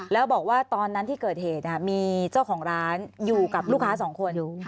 แล้วบอกว่าตอนนั้นที่เกิดเหตุมีเจ้าของร้านอยู่กับลูกค้าสองคน